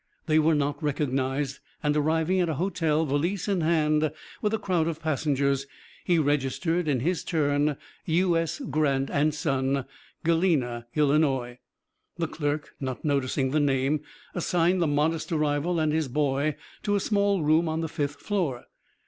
They were not recognized, and arriving at a hotel, valise in hand, with a crowd of passengers, he registered in his turn: "U. S. Grant and son, Galena, Ill." The clerk, not noticing the name, assigned the modest arrival and his boy to a small room on the fifth floor.